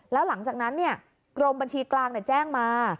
แล้วหลังจากนั้นกรมบัญชีกลางแจ้งมา